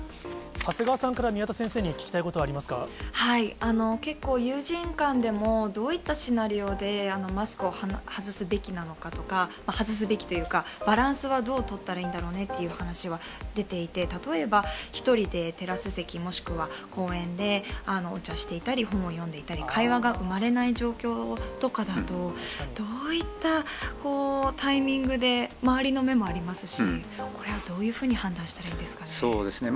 長谷川さんから宮田先生に聞結構、友人間でもどういったシナリオでマスクを外すべきなのかとか、外すべきというか、バランスはどうとったらいいんだろうねという話は出ていて、例えば、１人でテラス席、もしくは公園で、お茶していたり、本を読んでいたり、会話が生まれない状況とかだと、どういったタイミングで周りの目もありますし、これはどういうふうに判断したらいいですかね。